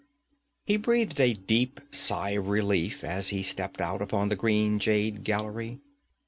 He breathed a deep sigh of relief as he stepped out upon the green jade gallery.